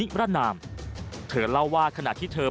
มันกลับมาแล้ว